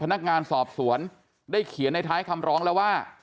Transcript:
พนักงานสอบสวนได้เขียนในท้ายคำร้องแล้วว่า